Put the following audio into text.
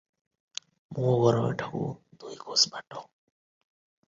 ମୋ ଘର ଏଠାକୁ ଦୁଇ କୋଶ ବାଟ ।